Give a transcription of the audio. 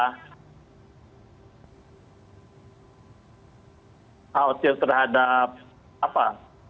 khawatir terhadap apa